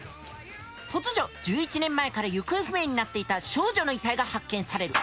突如１１年前から行方不明になっていた少女の遺体が発見される。